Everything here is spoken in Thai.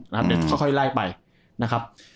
เดี๋ยวค่อยไล่ไปนะครับ